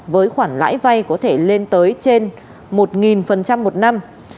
với khoản lãi vay có thể lên tới trên một một năm